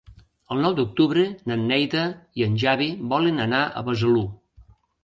El nou d'octubre na Neida i en Xavi volen anar a Besalú.